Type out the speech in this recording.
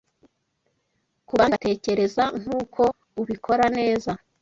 kubandi batekereza nkuko ubikora neza